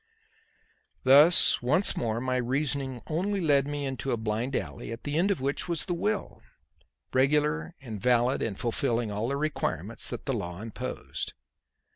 Thus, once more, my reasoning only led me into a blind alley at the end of which was the will, regular and valid and fulfilling all the requirements that the law imposed.